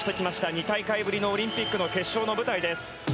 ２大会ぶりのオリンピックの決勝の舞台です。